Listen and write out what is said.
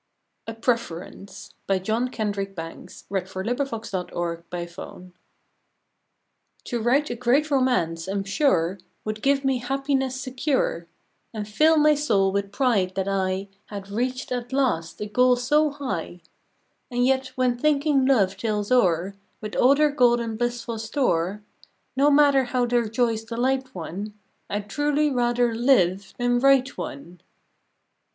the day Truly worth the living. November Twenty seventh A PREFERENCE THO write a great romance, I m sure, Would give me happiness secure, And fill my soul with pride that I Had reached at last a goal so high. And yet when thinking love tales o er, With all their golden, blissful store, No matter how their joys delight one, I d truly rather LIVE than WHITE one.